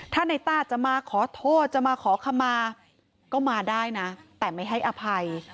ถ้าในต้าจะมาขอโทษจะมาขอคำมาก็มาได้นะแต่ไม่ให้อภัย